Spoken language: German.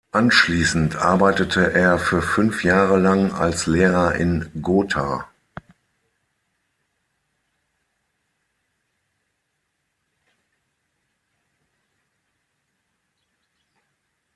Anschließend arbeitete er fünf Jahre lang als Lehrer in Gotha.